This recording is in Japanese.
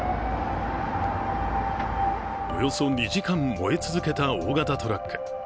およそ２時間燃え続けた大型トラック。